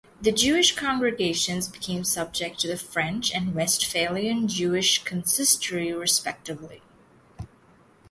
The Jewish congregations became subject to the French or Westphalian Jewish Consistory, respectively.